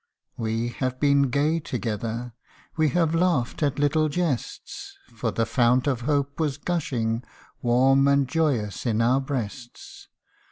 We have been gay together ; We have laughed at little jests ; For the fount of hope was gushing Warm and joyous in our breasts.